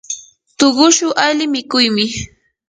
tuqushu ali mikuymi.